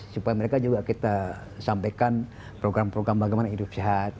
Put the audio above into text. supaya mereka juga kita sampaikan program program bagaimana hidup sehat